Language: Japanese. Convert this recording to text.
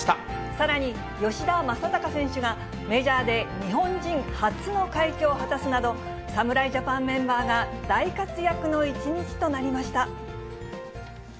さらに、吉田正尚選手がメジャーで日本人初の快挙を果たすなど、侍ジャパンメンバーが大活躍の一日となりました。